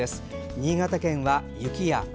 新潟県は雪や雨。